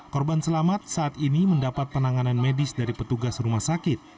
korban selamat saat ini mendapat penanganan medis dari petugas rumah sakit